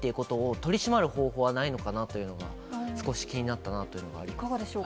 取り締まる方法はないのかなというのも、少し気になったなといういかがでしょうか。